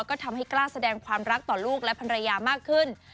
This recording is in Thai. ก็ทำให้กล้าแสดงความรักต่อลูกและภรรยามากขึ้น